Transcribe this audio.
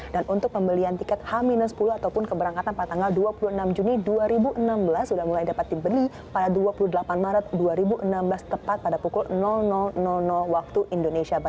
dan untuk pembelian tiket h sepuluh ataupun keberangkatan pada tanggal dua puluh enam juni dua ribu enam belas sudah mulai dapat dibeli pada dua puluh delapan maret dua ribu enam belas tepat pada pukul wib